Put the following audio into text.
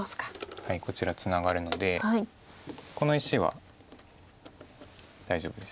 はいこちらツナがるのでこの石は大丈夫です。